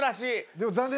でも。